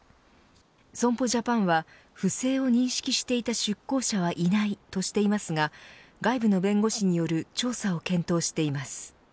損保ジャパンは、不正を認識していた出向者はいないとしていますが外部の弁護士による調査を検討しています。